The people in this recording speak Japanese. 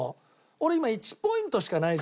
俺今１ポイントしかないじゃない。